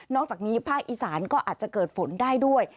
อกจากนี้ภาคอีสานก็อาจจะเกิดฝนได้ด้วย